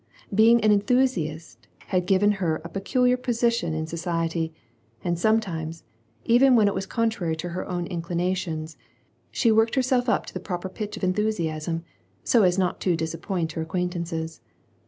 Being an enthusiast had given her a peculiar position in society, and sometimes, even when it was contrary to her own inclinations,* she worked herself up to the proper pitch of enthusiasm, so as not to disappoint her acquaintances.